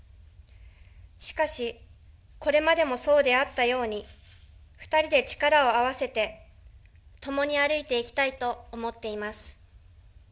しかし、これまでもそうであったように、２人で力を合わせて、共に歩いていきたいと思っています。